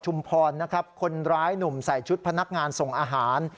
พรนะครับคนร้ายหนุ่มใส่ชุดพนักงานส่งอาหาร